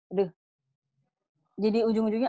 aduh jadi ujung ujungnya